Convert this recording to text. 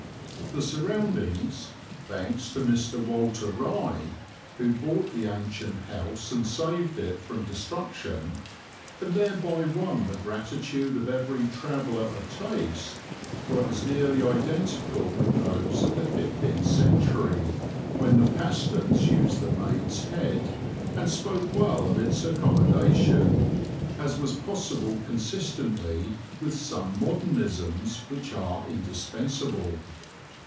The surroundings, thanks to Mr. Walter Rye, who bought the ancient house and saved it from destruction, and thereby won the gratitude of every traveller of taste, were as nearly identical with those of the fifteenth century (when the Pastons used the "Mayde's Hedde" and spoke well of its accommodation) as was possible consistently with some modernisms which are indispensable.